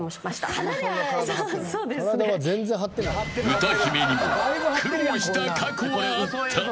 歌姫にも苦労した過去があった。